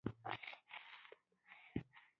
تالابونه د افغانستان د انرژۍ سکتور برخه ده.